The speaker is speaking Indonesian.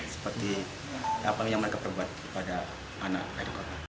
seperti apa yang mereka perbuat pada anak